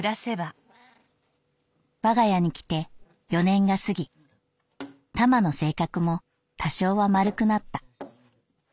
「我家に来て四年が過ぎタマの性格も多少は丸くなった。